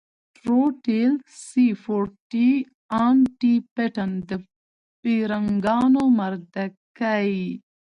ټروټيل سي فور ټي ان ټي پټن د بېرنگانو مردکي.